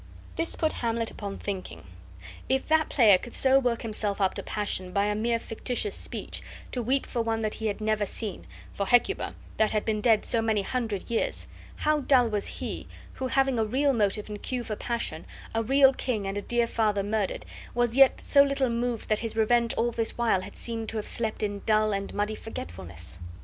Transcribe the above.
This put Hamlet upon thinking, if that player could so work himself up to passion by a mere fictitious speech, to weep for one that he had never seen, for Hecuba, that had been dead so many hundred years, how dull was he, who having a real motive and cue for passion, a real king and a dear father murdered, was yet so little moved that his revenge all this while had seemed to have slept in dull and muddy forgetfulness!